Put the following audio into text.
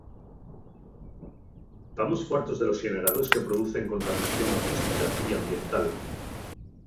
Tamos fartos de los xeneradores que producen contaminación acústica y ambiental.